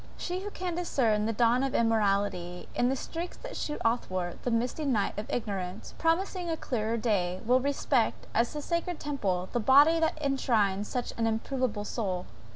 She who can discern the dawn of immortality, in the streaks that shoot athwart the misty night of ignorance, promising a clearer day, will respect, as a sacred temple, the body that enshrines such an improvable soul.